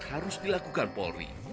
harus dilakukan polri